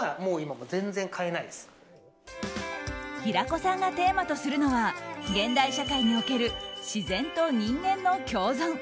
平子さんがテーマとするのは現代社会における自然と人間の共存。